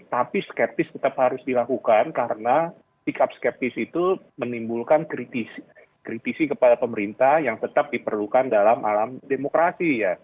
tapi skeptis tetap harus dilakukan karena sikap skeptis itu menimbulkan kritisi kepada pemerintah yang tetap diperlukan dalam alam demokrasi